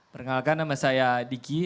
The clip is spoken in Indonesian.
pernahkah nama saya diki